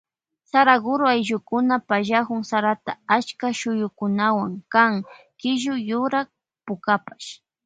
Saraguro ayllukuna pallakun sarata achka shuyuwankuna kan killu yurak pukapash.